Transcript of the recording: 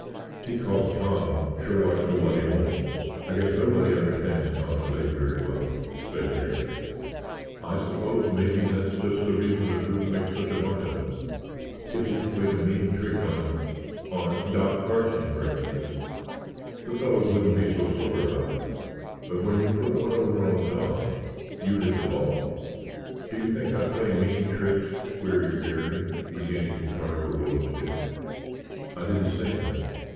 He calls Tom Sherlock Nobody Holmes." "I guess nobody understands Tom Slade very well," said Garry. "I suppose maybe that's just the reason the troop makes such a lot of him. If you played—if somebody played a mean trick on—on—Doc Carson, for instance, the fellows wouldn't be so sore about it. But when you put one over on Tom you hit them all." "Do you think I play mean tricks?" queried Garry, beginning to carve a willow stick. "I didn't say that.